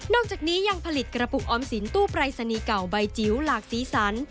อกจากนี้ยังผลิตกระปุกออมสินตู้ปรายศนีย์เก่าใบจิ๋วหลากสีสัน